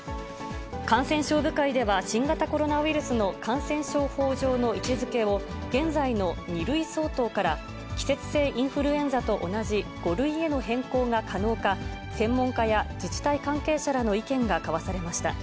感染症部会では新型コロナウイルスの感染症法上の位置づけを現在の２類相当から季節性インフルエンザと同じ５類への変更が可能か、専門家や自治体関係者らの意見が交わされました。